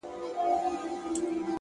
علم د فکرونو نړۍ روښانه کوي.!